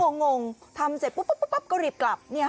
งงทำเสร็จปุ๊บก็รีบกลับเนี่ยค่ะ